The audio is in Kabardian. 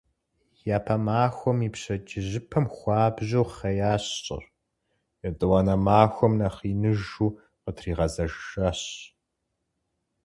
Япэ махуэм и пщэдджыжьыпэм хуабжьу хъеящ щӀыр, етӀуанэ махуэм нэхъ иныжу къытригъэзэжэщ.